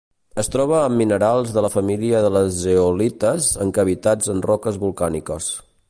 Es troba amb minerals de la família de les zeolites en cavitats en roques volcàniques.